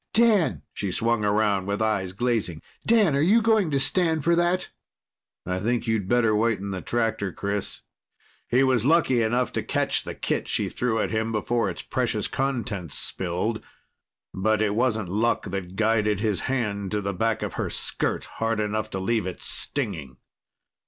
"Dan!" She swung around with eyes glazing. "Dan, are you going to stand for that?" "I think you'd better wait in the tractor, Chris." He was lucky enough to catch the kit she threw at him before its precious contents spilled. But it wasn't luck that guided his hand to the back of her skirt hard enough to leave it stinging.